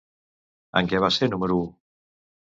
En què va ser número u?